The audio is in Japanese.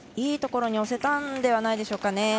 いいところに押せたんじゃないでしょうか。